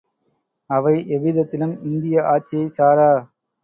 அவை எவ்விதத்திலும் இந்திய ஆட்சியைச் சாரா.